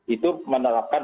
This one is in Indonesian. itu menerapkan hukumnya